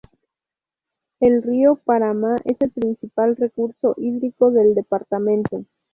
El río Paraná es el principal recurso hídrico del departamento.